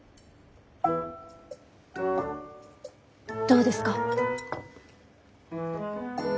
どうですか？